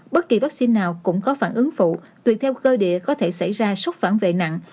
bất kỳ vaccine nào cũng có phản ứng phụ tuyệt theo cơ địa có thể xảy ra sốc phản vệ nặng